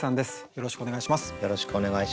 よろしくお願いします。